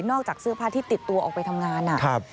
จากเสื้อผ้าที่ติดตัวออกไปทำงานนะครับ